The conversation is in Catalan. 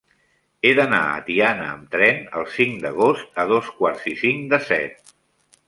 He d'anar a Tiana amb tren el cinc d'agost a dos quarts i cinc de set.